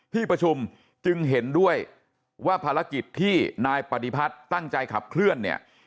ที่ประชุมจึงเห็นด้วยว่าภารกิจที่นายปฏิพัฒน์ตั้งใจขับเคลื่อนเนี่ย